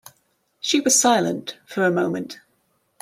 She was silent for a moment.